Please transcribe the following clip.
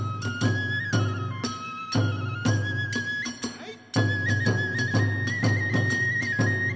はい！